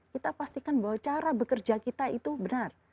kita pastikan bahwa cara bekerja kita itu benar